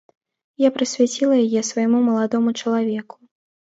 Я прысвяціла яе свайму маладому чалавеку.